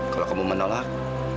kalau kamu menolak